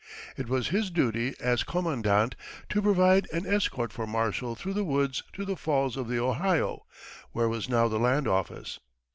It was his duty as commandant to provide an escort for Marshall through the woods to the Falls of the Ohio, where was now the land office.